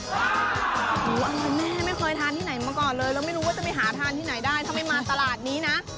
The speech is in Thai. โอ้โหอะไรแม่ไม่เคยทานที่ไหนมาก่อนเลยแล้วไม่รู้ว่าจะไปหาทานที่ไหนได้ถ้าไม่มาตลาดนี้นะ